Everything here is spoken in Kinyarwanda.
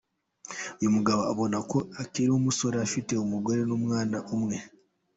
Uyu mugabo ubona ko akiri umusore, afite umugore n’umwana umwe.